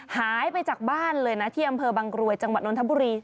หายไปจากบ้านเลยนะที่อำเภอบางกรวยจังหวัดนทบุรี